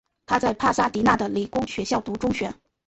他在帕萨迪娜的理工学校读中学。